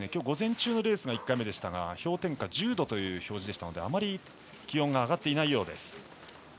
午前中のレースが１回目でしたが氷点下１０度という表示でしたのであまり気温が上がっていないようです。